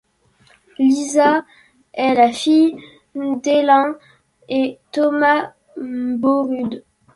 Lisa est la fille d'Elin et Thomas Børud.